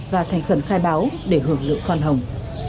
và thành khẩn khai báo để hưởng lượng khoan hồng